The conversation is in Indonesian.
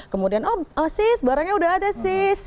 kemudian oh sis barangnya udah ada sis